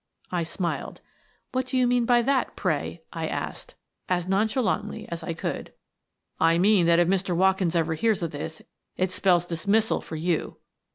I smiled. " What do you mean by that, pray ?" I asked, as nonchalantly as I could. " I mean that if Mr. Watkins ever hears of this, it spells dismissal for you."